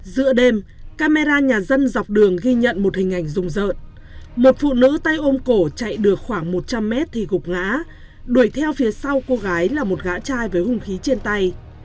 giữa đêm camera nhà dân dọc đường ghi nhận một hình ảnh rùng rợn một phụ nữ tay ôm cổ chạy được khoảng một trăm linh mét thì gục ngã đuổi theo phía sau cô gái là một gã trai với hùng khí trên tay